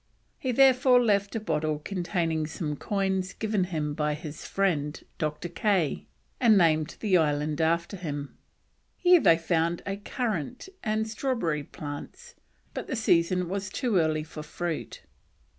He therefore left a bottle containing some coins given him by his friend, Dr. Kaye, and named the island after him. Here they found currant and strawberry plants, but the season was too early for fruit.